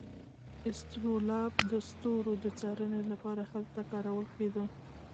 اسټرولاب د ستورو د څارنې لپاره هلته کارول کیده.